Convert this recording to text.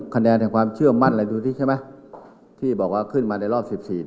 คะแนนแห่งความเชื่อมั่นอะไรดูสิใช่ไหมที่บอกว่าขึ้นมาในรอบสิบสี่